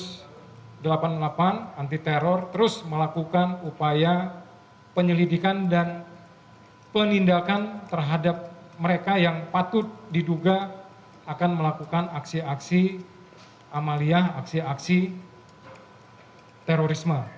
yang diberikan oleh ketua komunikasi teror terus melakukan upaya penyelidikan dan penindakan terhadap mereka yang patut diduga akan melakukan aksi aksi amaliyah aksi aksi terorisme